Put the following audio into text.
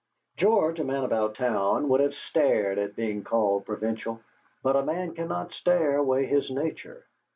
George, a man about town, would have stared at being called provincial, but a man cannot stare away his nature.